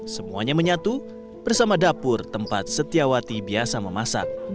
semuanya menyatu bersama dapur tempat setiawati biasa memasak